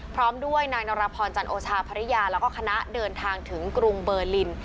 พร้อมด้วยนางนรพรจันโอชาภรรยาแล้วก็คณะเดินทางถึงกรุงเบอร์ลิน